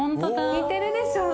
似てるでしょ？